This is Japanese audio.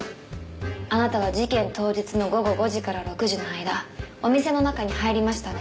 あなたは事件当日の午後５時から６時の間お店の中に入りましたね？